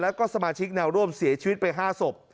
แล้วก็สมาชิกแนวร่วมเสียชีวิตไป๕ศพ